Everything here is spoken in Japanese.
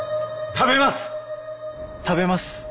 食べます！